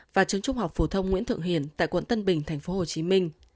và trường trung học phổ thông nguyễn thượng hiền tại quận tân bình tp hcm